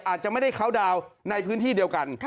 อาจจะไม่ได้เข้าดาวน์ในพื้นที่เดียวกัน